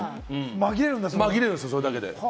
紛れるんですよ、それで。